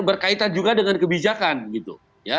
berkaitan juga dengan kebijakan gitu